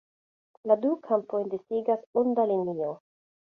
La du kampojn disigas onda linio.